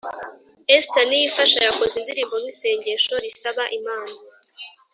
Esther niyifasha yakoze indirimbo nk’isengesho risaba imana